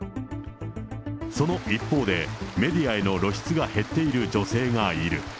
その一方で、メディアへの露出が減っている女性がいる。